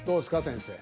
先生。